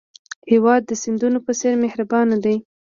هېواد د سیندونو په څېر مهربان دی.